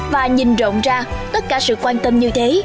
và nhìn rộng ra tất cả sự quan tâm như thế